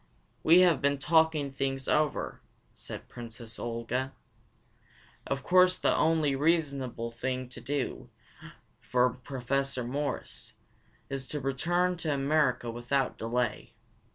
"We have been talking things over," said Princess Olga. "Of course the only reasonable thing for Professor Morris to do is to return to America without delay.